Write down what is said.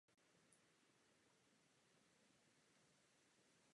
Do oblasti působnosti tohoto nového předpisu spadají i rakouská letiště.